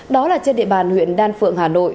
đó là trên địa bàn huyện đan phượng hà nội